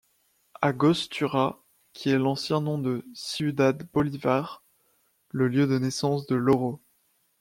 Angostura, qui est l'ancien nom de Ciudad Bolívar, le lieu de naissance de Lauro.